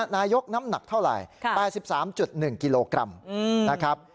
นายกน้ำหนักเท่าไหร่๘๓๑กิโลกรัมนะครับ